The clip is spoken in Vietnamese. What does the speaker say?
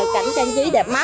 cảnh trang trí đẹp